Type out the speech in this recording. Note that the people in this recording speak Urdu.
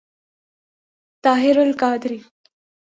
طاہر القادری